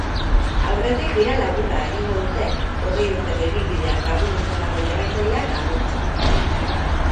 Aurretik, bira laburra egingo dute hogei urteko ibilbidean lagun izandako jarraitzaileak agurtzeko.